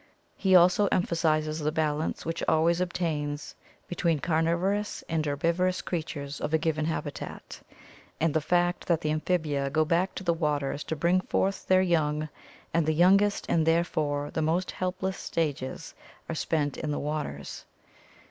He also emphasizes the balance which always obtains between carniv orous and herbivorous creatures of a given habitat, and the fact that the amphibia go back to the waters to bring forth their young and the youngest and therefore the most helpless stages are spent in the waters.